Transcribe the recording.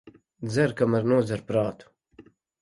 Dzer, kamēr nodzer prātu.